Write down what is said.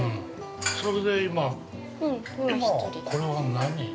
それで今は、これは何？